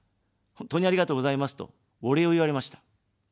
本当にありがとうございますと、お礼を言われました。